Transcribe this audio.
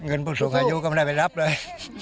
ผู้สูงอายุก็ไม่ได้ไปรับเลย